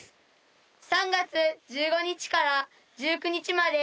３月１５日から１９日まで。